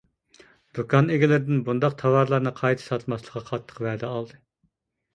دۇكان ئىگىلىرىدىن بۇنداق تاۋارلارنى قايتا ساتماسلىققا قاتتىق ۋەدە ئالدى.